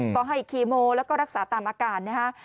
ก็ให้คีโมแล้วก็รักษาตามอาการนะฮะ